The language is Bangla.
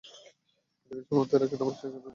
এতকিছু মাথায় রাখেন, আবার সবাইকে বিনোদনও দেন।